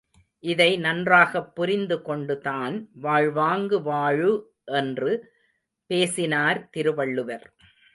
இதை நன்றாகப் புரிந்து கொண்டுதான் வாழ்வாங்கு வாழு என்று பேசினார் திருவள்ளுவர்.